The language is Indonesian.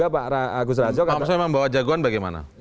pak agus raharjo membawa jagoan bagaimana